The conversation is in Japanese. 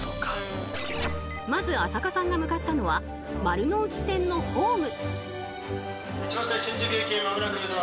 まず朝香さんが向かったのは丸ノ内線のホーム。